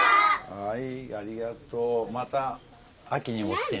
はい。